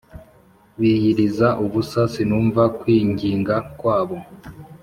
biyiriza ubusa sinumva kwinginga kwabo